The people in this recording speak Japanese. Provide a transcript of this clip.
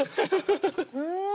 うん！